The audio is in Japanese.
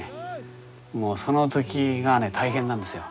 もうその時がね大変なんですよ。